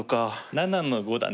７の五だね。